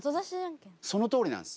そのとおりなんです。